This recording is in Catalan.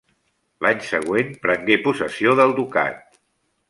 L'any següent prengué possessió del ducat.